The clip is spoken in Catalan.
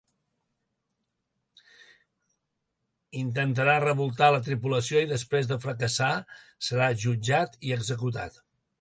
Intentarà revoltar la tripulació i després de fracassar serà jutjat i executat.